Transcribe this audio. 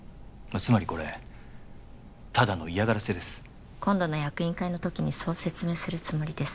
つまりこれただの嫌がらせです今度の役員会の時にそう説明するつもりです